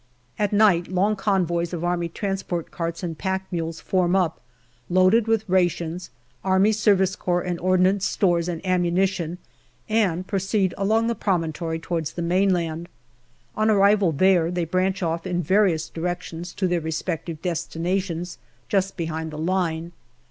At night, long convoys of A.T. carts and pack mules form up loaded with rations, A.S.C. and Ordnance stores and ammunition, and proceed along the promontory towards the mainland. On arrival there they branch off in various directions to their respective destinations, just behind the line.